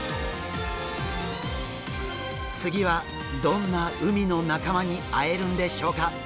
次はどんな海の仲間に会えるんでしょうか？